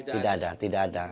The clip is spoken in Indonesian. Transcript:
tidak ada tidak ada